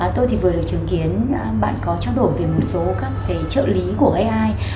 tôi thì vừa được chứng kiến bạn có trao đổi về một số các trợ lý của ai